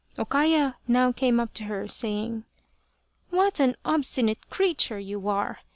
O Kaya now came up to her, saying, " What an obstinate creature you are